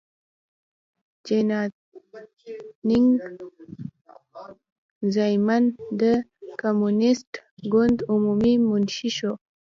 جیانګ زیمن د کمونېست ګوند عمومي منشي شو.